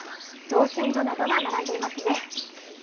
造船所などが並んでいますね。